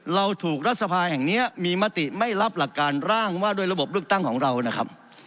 เราถูกรัฐสภาแห่งนี้มีมติไม่รับหลักการร่างว่าด้วยระบบเลือกตั้งของเรานะครับ